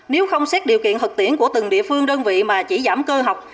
nếu không xét điều kiện thực tiễn của từng địa phương đơn vị mà chỉ giảm cơ học